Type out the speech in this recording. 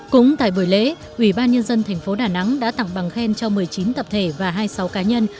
cũng tại buổi lễ ủy ban nhân dân thành phố đà nẵng đã tặng bằng khen cho một mươi chín tập thể và hai mươi sáu cá nhân